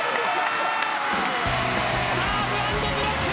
サーブ＆ブロック！